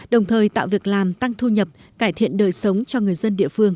đồng thời tạo việc làm tăng thu nhập cải thiện đời sống cho người dân địa phương